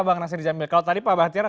bang nasri djamil kalau tadi pak bahtiar